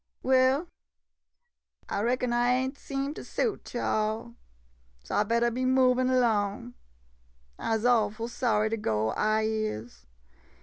Well, I reckon I ain' seem to suit yo' all ■— so I bettah be movin' 'long. I 'se awful sorry to go, I is.